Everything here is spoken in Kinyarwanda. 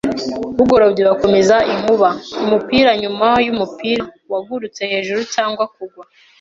Bugorobye, bakomeza inkuba. Umupira nyuma yumupira wagurutse hejuru cyangwa kugwa